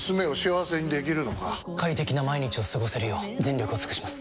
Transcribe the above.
快適な毎日を過ごせるよう全力を尽くします！